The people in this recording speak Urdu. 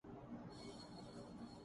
جو مختلف بھی ہیں